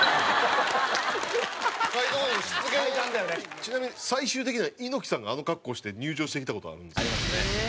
ちなみに最終的には猪木さんがあの格好して入場してきた事あるんですよ。ありますね。